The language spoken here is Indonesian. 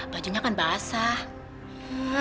bajunya kan basah